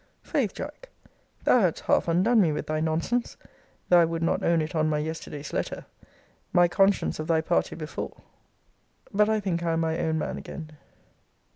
Faith, Jack, thou hadst half undone me with thy nonsense, though I would not own it on my yesterday's letter: my conscience of thy party before. But I think I am my own man again.